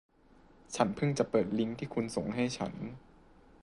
ฉันเพิ่งจะเปิดลิงค์ที่คุณส่งให้ฉัน